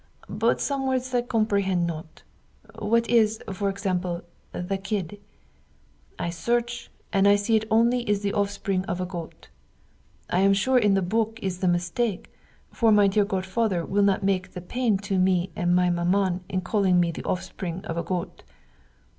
But some words I comprehend not. What is, for example, the kid? I search and I see only it is the offspring of a goat. I am sure in the book is the mistake, for my dear godfather will not make the pain to me and my Maman in calling me the offspring of a goat.